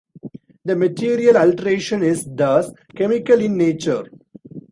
The material alteration is thus chemical in nature.